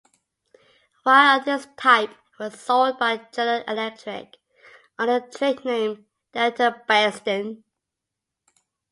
Wire of this type was sold by General Electric under the trade name Deltabeston.